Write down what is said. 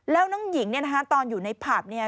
แล้วน้องหญิงเนี่ยนะคะตอนอยู่ในผับเนี่ย